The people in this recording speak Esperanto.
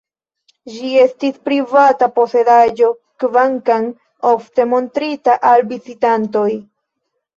Ĝi estis privata posedaĵo, kvankam ofte montrita al vizitantoj.